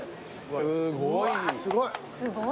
すごい。